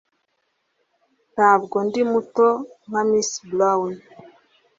Ntabwo ndi muto nka Miss Brown